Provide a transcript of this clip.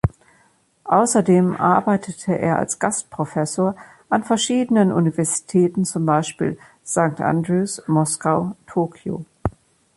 Außerdem arbeitete er als Gastprofessor an verschiedenen Universitäten zum Beispiel St Andrews, Moskau, Tokio.